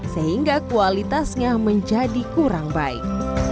sehingga kualitasnya menjadi kurang baik